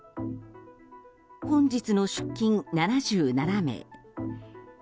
本日の出勤７７名。